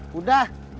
bini lu udah balik